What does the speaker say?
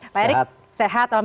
pak erick sehat